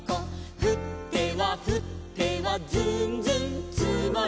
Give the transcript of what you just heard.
「ふってはふってはずんずんつもる」